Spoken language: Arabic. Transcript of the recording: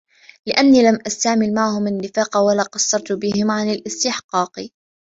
لِأَنِّي لَمْ أَسْتَعْمِلْ مَعَهُمْ النِّفَاقَ وَلَا قَصَّرْت بِهِمْ عَنْ الِاسْتِحْقَاقِ